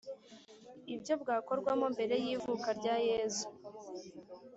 Ibyo bwakorwaga mbere y’ivuka rya Yezu